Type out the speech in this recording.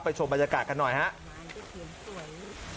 ไปชมบรรยากาศกันหน่อยครับ